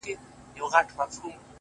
د نورو د ستم په گيلاسونو کي ورک نه يم؛